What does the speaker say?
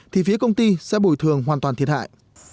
thì phía công ty sẽ bồi thường hoàn toàn thiệt hại